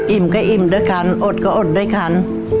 ก็อิ่มด้วยกันอดก็อดด้วยกัน